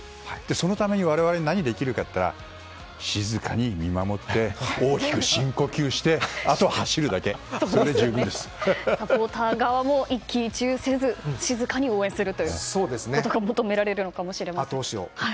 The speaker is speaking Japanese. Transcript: そのために我々が何ができるかといったら静かに見守って大きく深呼吸してサポーター側も一喜一憂せず静かに応援するということが求められるかもしれません。